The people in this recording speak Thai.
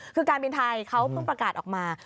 คือการบินไทยเขาเพิ่งประกาศออกมา